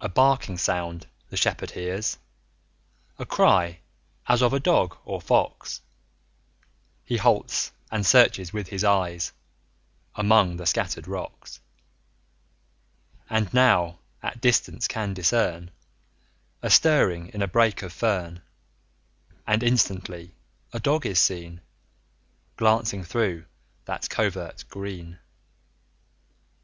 A barking sound the Shepherd hears, A cry as of a dog or fox; He halts and searches with his eyes Among the scattered rocks: And now at distance can discern 5 A stirring in a brake of fern; And instantly a dog is seen, Glancing through that covert green.